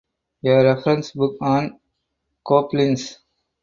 A reference book on goblins?